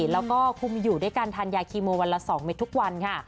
แล้วก็คุมอยู่ด้วยการทานยาคีโมวันละ๒เม็ดทุกวันค่ะ